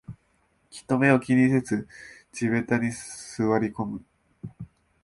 人目を気にせず地べたに座りこむ